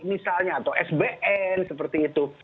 misalnya atau sbn seperti itu